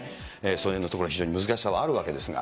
そのへんのところ、非常に難しさはあるわけですが。